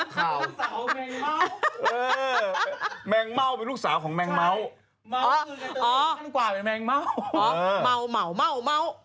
คาบไหวละแมงเม่า